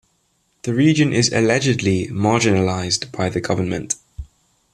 The region is allegedly marginalised by the government.